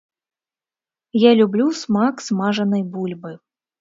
Я люблю смак смажанай бульбы.